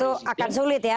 itu akan sulit ya